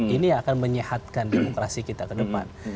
ini akan menyehatkan demokrasi kita ke depan